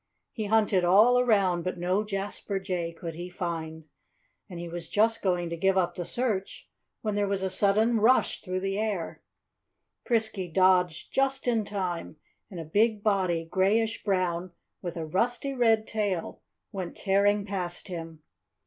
He hunted all around; but no Jasper Jay could he find. And he was just going to give up the search when there was a sudden rush through the air. Frisky dodged just in time; and a big body, grayish brown, with a rusty red tail, went tearing past him.